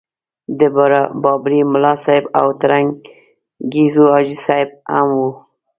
د بابړي ملاصاحب او ترنګزیو حاجي صاحب هم وو.